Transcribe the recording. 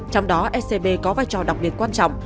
trong đó scb có vai trò đặc biệt quan trọng